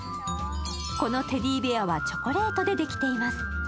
このテディベアはチョコレートでできています。